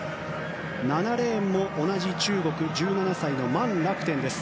７レーンも同じ中国１７歳のマン・ラクテンです。